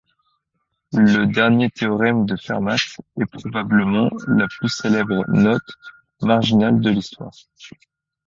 Le dernier théorème de Fermat est probablement la plus célèbre note marginale de l'histoire.